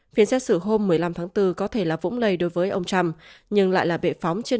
phiên xét xử hôm một mươi năm tháng bốn có thể là vũng lầy đối với ông trump nhưng lại là bệ phóng trên